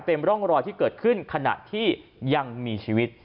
เป็นร่องรอยที่เกิดขึ้นขณะที่ยังมีชีวิต